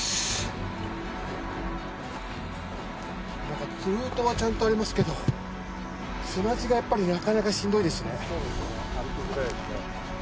何かルートはちゃんとありますけど砂地がやっぱりなかなかしんどいですね。